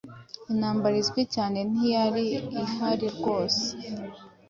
Intambara izwi cyane ntiyari iharirwose